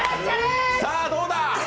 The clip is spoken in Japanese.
さあ、どうだ！